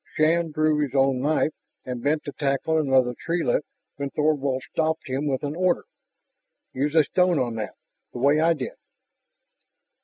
Shann drew his own knife and bent to tackle another treelet when Thorvald stopped him with an order: "Use a stone on that, the way I did."